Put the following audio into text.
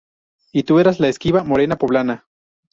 Y tú eras la esquiva, morena poblana.